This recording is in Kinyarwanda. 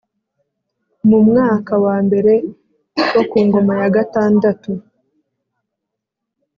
Mu mwaka wa mbere wo ku ngoma ya gatandatu